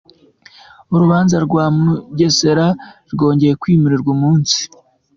Urubanza rwa Mugesera rwongeye kwimurirwa umunsi